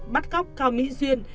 bắt cóc cao mỹ duyên